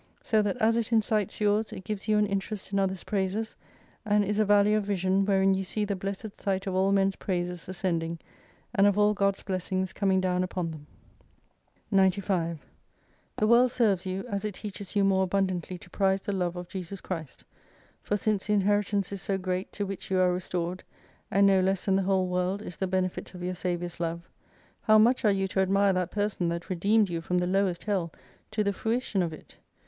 So that as it incites yours, it gives you an interest in others' praises : and is a valley of vision, wherein you see the Blessed Sight of all men's praises ascending, and of all God's blessings coming down upon them. 95 The World serves you, as it teaches you more abun dantly to prize the love of Jesus Christ. For since the inheritance is so great to which you are restored, and no less than the whole world is the benefit of your Saviour's Love, how much are you to admire that person that redeemed you from the lowest Hell to the fruition of it?